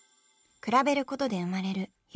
比べることで生まれる違和感。